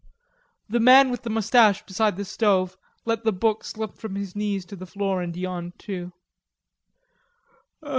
The man with the mustache beside the stove let the book slip from his knees to the floor, and yawned too.